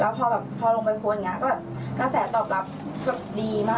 แล้วพอลงไปโพสต์น่าจะแสดงตอบรับดีมาก